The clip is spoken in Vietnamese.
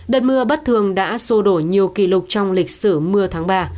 đợt mưa bất thường đã sô đổi nhiều kỷ lục trong lịch sử mưa tháng ba